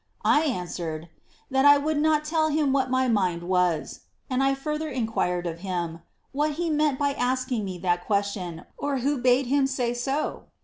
I answered, *that I would not tell him what my mind was ;■ and I further inquired of him ' what he meant by asking me that question, or who bade hirn say so?'